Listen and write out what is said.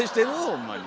ホンマに。